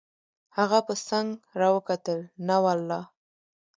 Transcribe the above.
هغه په څنګ را وکتل: نه والله.